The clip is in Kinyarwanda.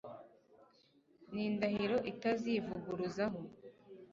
ni indahiro atazivuguruzaho